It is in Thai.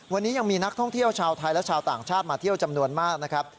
วันนี้ยังมีนักท่องเที่ยวชาวไทยและชาวต่างชาติมาเที่ยวจำนวนมากนะครับ